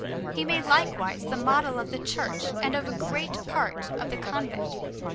He made, likewise, the model of that church and of a great part of the convent.